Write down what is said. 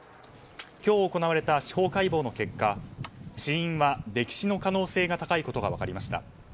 今日行われた司法解剖の結果死因は溺死の可能性が高いことが分かりました。